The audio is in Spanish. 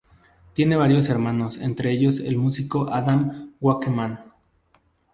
Tiene varios hermanos entre ellos el músico Adam Wakeman.